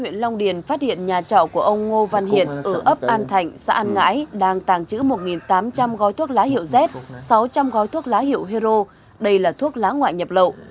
huyện long điền phát hiện nhà trọ của ông ngô văn hiện ở ấp an thạnh xã an ngãi đang tàng trữ một tám trăm linh gói thuốc lá hiệu z sáu trăm linh gói thuốc lá hiệu hero đây là thuốc lá ngoại nhập lậu